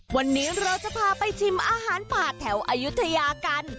วันนี้เราจะพาไปชิมอาหารป่าแถวอายุทยากัน